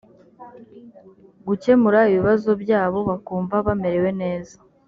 gukemura ibibazo byabo bakumva bamerewe neza